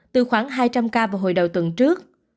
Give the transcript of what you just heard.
từ khoảng hai trăm linh ca vào hồi đầu tuần trước